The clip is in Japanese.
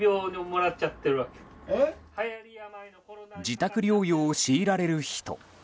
自宅療養を強いられる人。